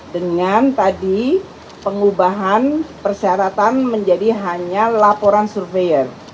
dengan tadi pengubahan persyaratan menjadi hanya laporan survei